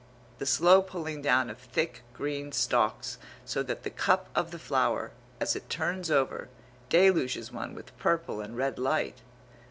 The slow pulling down of thick green stalks so that the cup of the flower, as it turns over, deluges one with purple and red light.